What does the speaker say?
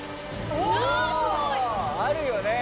あるよね。